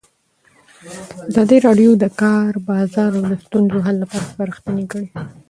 ازادي راډیو د د کار بازار د ستونزو حل لارې سپارښتنې کړي.